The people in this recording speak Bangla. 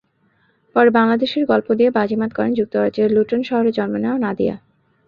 পরে বাংলাদেশের গল্প দিয়ে বাজিমাত করেন যুক্তরাজ্যের লুটন শহরে জন্ম নেওয়া নাদিয়া।